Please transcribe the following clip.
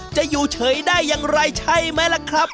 อยู่เฉยได้อย่างไรใช่ไหมล่ะครับ